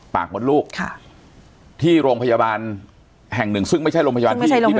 มดลูกที่โรงพยาบาลแห่งหนึ่งซึ่งไม่ใช่โรงพยาบาล